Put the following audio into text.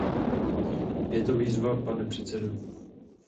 Je to výzva, pane předsedo.